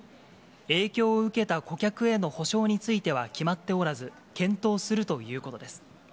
影響を受けた顧客への補償については、決まっておらず、検討するということです。